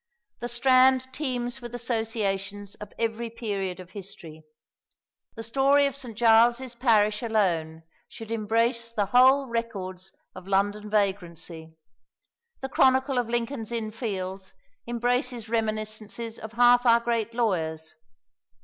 The Strand teems with associations of every period of history. The story of St. Giles's parish alone should embrace the whole records of London vagrancy. The chronicle of Lincoln's Inn Fields embraces reminiscences of half our great lawyers.